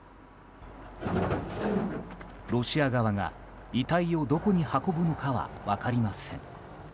ロシア側が遺体をどこに運ぶのかは分かりません。